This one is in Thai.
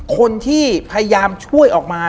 คนที่พยายามช่วยออกมา